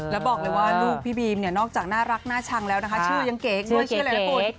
แล้วบอกเลยว่าลูกพี่บีมเนี่ยนอกจากน่ารักน่าชังแล้วนะคะชื่อยังเก๋ด้วยชื่ออะไรนะคุณ